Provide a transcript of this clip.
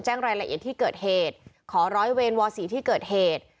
รายละเอียดที่เกิดเหตุขอร้อยเวรวสีที่เกิดเหตุ